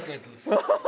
ハハハ！